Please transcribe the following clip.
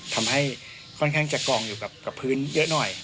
ทำให้ค่อนข้างจะกองอยู่กับพื้นเยอะหน่อย